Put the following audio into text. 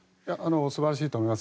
素晴らしいと思います。